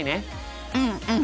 うんうん。